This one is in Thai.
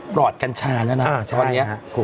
รอดกัญชาแล้วนะตอนนี้